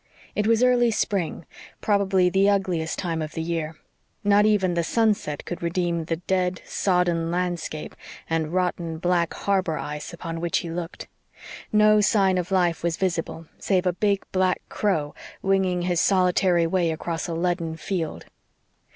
It was early spring probably the ugliest time of the year. Not even the sunset could redeem the dead, sodden landscape and rotten black harbor ice upon which he looked. No sign of life was visible, save a big black crow winging his solitary way across a leaden field.